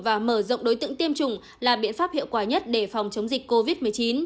và mở rộng đối tượng tiêm chủng là biện pháp hiệu quả nhất để phòng chống dịch covid một mươi chín